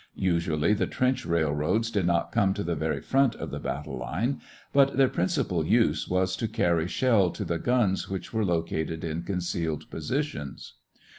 Usually the trench railroads did not come to the very front of the battle line, but their principal use was to carry shell to the guns which were located in concealed positions.